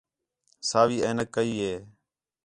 ساوی عینک کَئی ہے